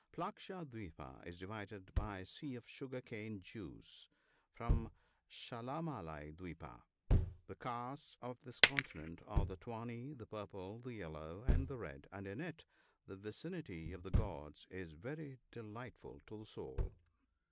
Flaksha kwipa is divided by a sea of sugar cane juice from Shdl mali dwipa. The castes of this continent are the tawny, the purple, the yellow, and the red, and in it " the vicinity of the gods is very delightful to the soul."